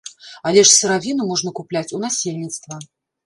Але ж сыравіну можна купляць у насельніцтва.